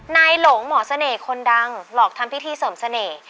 หลงหมอเสน่ห์คนดังหลอกทำพิธีเสริมเสน่ห์